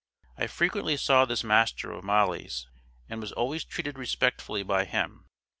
I frequently saw this master of Molly's, and was always treated respectfully by him.